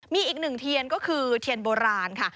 มีอีกหนึ่งเทียนก็คือเทียนโบราณค่ะ